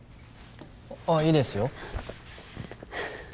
ああいいですよ。